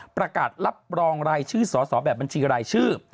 ประกาศรับรองรายชื่อสอสอแบบบัญชีรายชื่อ